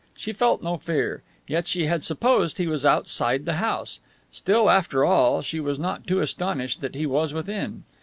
She felt no fear. Yet she had supposed he was outside the house. Still, after all, she was not too astonished that he was within.